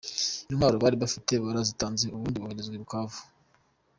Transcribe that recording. Intwaro bari bafite barazitanze ubundi boherezwa i Bukavu.